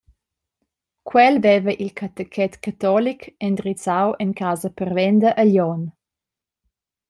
Quel haveva il catechet catolic endrizzau en casa pervenda a Glion.